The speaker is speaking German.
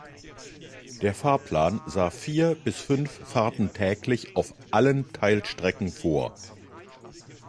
Der Fahrplan sah vier bis fünf Fahrten täglich auf allen Teilstrecken vor.